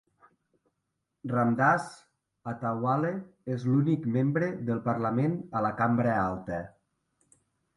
Ramdas Athawale és l'únic membre del Parlament a la Cambra Alta.